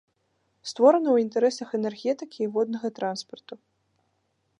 Створана ў інтарэсах энергетыкі і воднага транспарту.